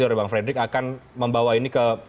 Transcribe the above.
oleh bang frederick akan membawa ini ke